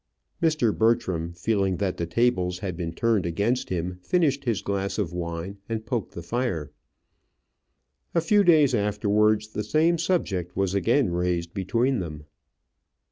Mr. Bertram, feeling that the tables had been turned against him, finished his glass of wine and poked the fire. A few days afterwards the same subject was again raised between them.